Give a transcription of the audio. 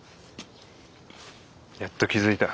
やっと気付いた。